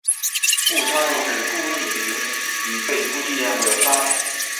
误差就是估计值与被估计量的差。